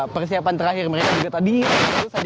persiapan terakhir mereka juga tadi